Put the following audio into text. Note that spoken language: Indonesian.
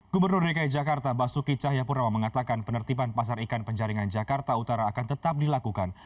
gubernur dki jakarta basuki cahayapurnama mengatakan penertiban pasar ikan penjaringan jakarta utara akan tetap dilakukan